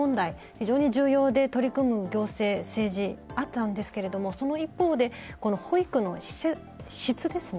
非常に重要で取り組む行政、政治あったんですけれどもその一方で保育の質ですね